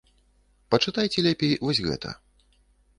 Пачытайце лепей вось гэта.